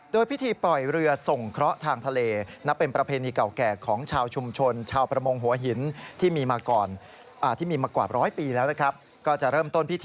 โดยพิธีปล่อยเรือส่งเคราะห์ทางทะเล